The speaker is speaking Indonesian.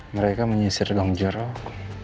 mereka menyisir gang jeruk